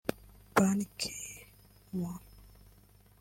Ban Ki-moon